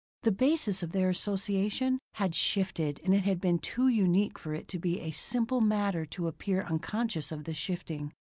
The basis of their association had shifted and it had been too unique for it to be a simple matter to appear unconscious of the shifting.